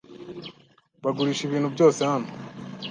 Bagurisha ibintu byose hano.